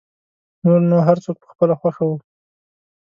نور نو هر څوک په خپله خوښه و.